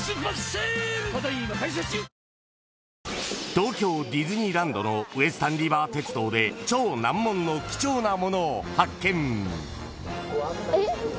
［東京ディズニーランドのウエスタンリバー鉄道で超難問の貴重なものを発見］